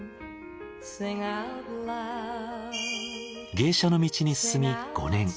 芸者の道に進み５年。